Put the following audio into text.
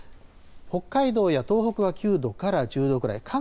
北海道や東北は９度から１０度くらい。